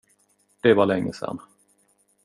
Det var länge sedan.